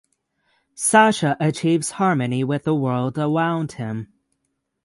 Sasha achieves harmony with the world around him.